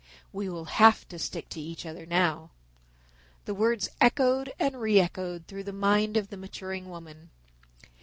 "We will have to stick to each other now." The words echoed and re echoed through the mind of the maturing woman.